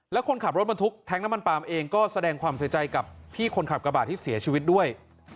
แล้วคนขับรถบรรทุกแท้งน้ำมันปาล์มเองก็แสดงความเสียใจกับพี่คนขับกระบาดที่เสียชีวิตด้วย